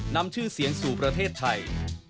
นำชื่อเสียงสู่ประเทศไทย